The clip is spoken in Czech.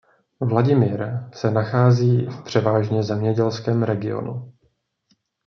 Vladimir se nachází v převážně zemědělském regionu.